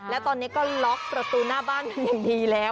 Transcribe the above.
แล้วตอนนี้ก็ล็อกประตูหน้าบ้านเป็นอย่างดีแล้ว